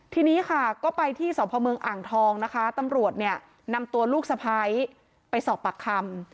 ทีนี้ค่ะก็ไปที่สพเมืองอ่างทองนะคะตำรวจเนี่ยนำตัวลูกสะพ้ายไปสอบปากคำ